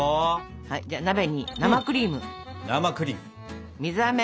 はいじゃあ鍋に生クリーム水あめ。